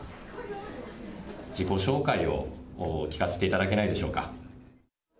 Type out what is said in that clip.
自己紹介を聞かせていただけないでしょうか。